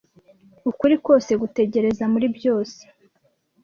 Ukuri kose gutegereza muri byose,